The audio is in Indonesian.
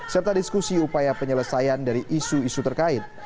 serta diskusi upaya penyelesaian dari isu isu terkait